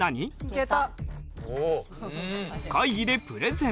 下駄。会議でプレゼン。